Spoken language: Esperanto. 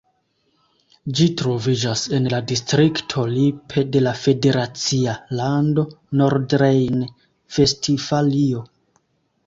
Ĝi troviĝas en la distrikto Lippe de la federacia lando Nordrejn-Vestfalio.